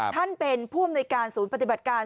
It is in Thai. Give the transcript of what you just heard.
ท่านเป็นผู้อำนวยการศูนย์ปฏิบัติการ